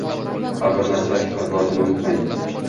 Har bir narsada hikmat borligini unutmang